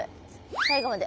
最後まで。